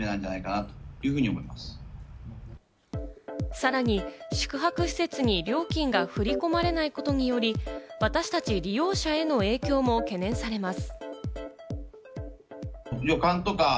さらに宿泊施設に料金が振り込まれないことにより、私達、利用者への影響も懸念されます。